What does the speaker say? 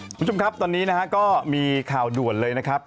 คุณผู้ชมครับตอนนี้นะฮะก็มีข่าวด่วนเลยนะครับ